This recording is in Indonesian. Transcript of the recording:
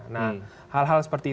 nah hal hal seperti